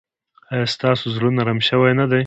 ایا ستاسو زړه نرم شوی نه دی؟